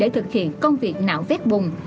để thực hiện công việc nạo vét bùng